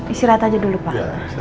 istirahat aja dulu pak